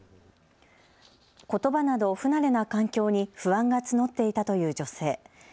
ことばなど不慣れな環境に不安が募っていたという女性。